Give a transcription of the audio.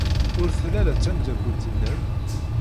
Ur tella ara d tameddakelt-nnem?